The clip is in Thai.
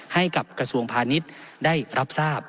ให้กับกระทรวงพาณิชย์ได้รับทราบ